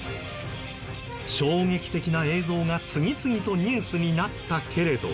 衝撃的な映像が次々とニュースになったけれど。